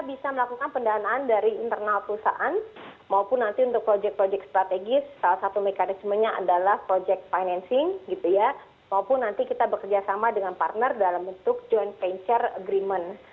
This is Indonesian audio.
bisa melakukan pendanaan dari internal perusahaan maupun nanti untuk proyek proyek strategis salah satu mekanismenya adalah proyek financing gitu ya maupun nanti kita bekerjasama dengan partner dalam bentuk joint venture agreement